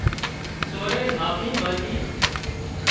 سورئي معافي مانڄي